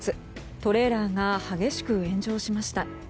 トレーラーが激しく炎上しました。